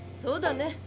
そうだね。